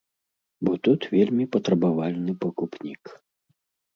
Бо тут вельмі патрабавальны пакупнік.